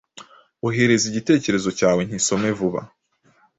ohereza igitekerezo cyawe nkisome vuba